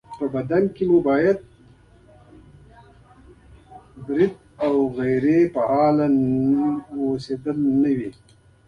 په بدن کې مو باید برید او غیرې فعاله اوسېدل نه وي